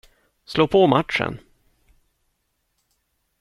Slå på matchen.